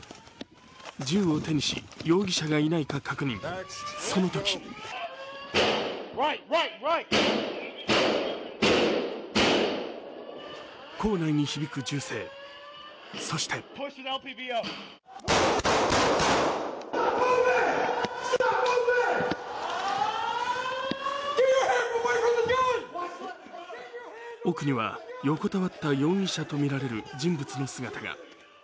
銃を手にし、容疑者がいないか確認、そのとき校内に響く銃声、そして奥には横たわった容疑者とみられる人物の姿が。